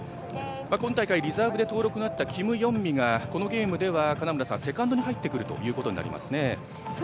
今大会、リザーブで登録があったキム・ヨンミがこのゲームではセカンドに入ってくるということになりますね。